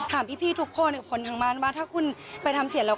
ถามพี่ทุกคนผลของมันว่าถ้าคุณไปทำเสียงแล้ว